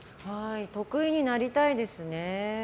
得意になりたいですね。